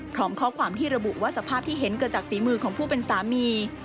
พร้อมข้อความที่ระบุว่าสภาพที่เห็นเกิดจากฝีมือของผู้เป็นสามี